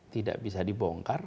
tidak bisa dibongkar